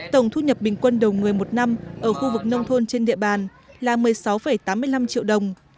tổng thu nhập bình quân đầu người một năm ở khu vực nông thôn trên địa bàn là một mươi sáu tám mươi năm triệu đồng